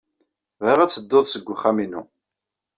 Bɣiɣ ad teddud seg uxxam-inu.